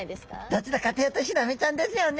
どちらかというとヒラメちゃんですよね。